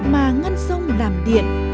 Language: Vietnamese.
mà ngăn sông làm điện